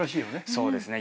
そうですね。